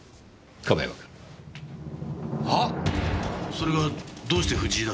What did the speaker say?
それがどうして藤井だと？